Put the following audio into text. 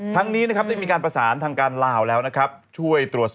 ทั้งนี้ได้มีการประสานทางการลาวแล้ว